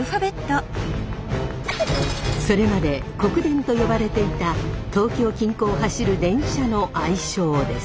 それまで国電と呼ばれていた東京近郊を走る電車の愛称です。